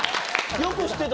よく知ってた。